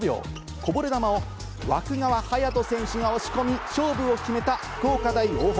こぼれ球を湧川颯斗選手が押し込み、勝負を決めた福岡大大濠。